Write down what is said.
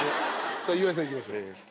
さあ岩井さんいきましょう。